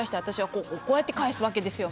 「こうこうこうやって返すわけですよ」